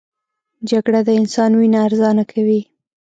جګړه د انسان وینه ارزانه کوي